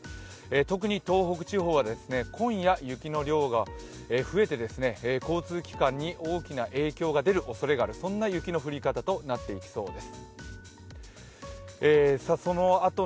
特に東北地方は今夜、雪の量が増えて交通機関に大きな影響が出るおそれがあるそんな雪の降り方となっていきそうです。